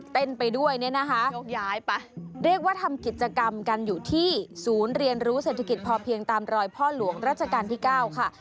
ไปด้วยเนี่ยนะคะยกย้ายไปเรียกว่าทำกิจกรรมกันอยู่ที่ศูนย์เรียนรู้เศรษฐกิจพอเพียงตามรอยพ่อหลวงรัชกาลที่๙ค่ะ